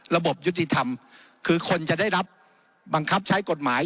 ระบบยุติธรรมคือคนจะได้รับบังคับใช้กฎหมาย